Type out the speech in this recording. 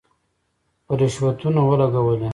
په رشوتونو ولګولې.